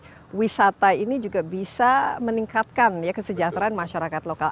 jadi wisata ini juga bisa meningkatkan ya kesejahteraan masyarakat lokal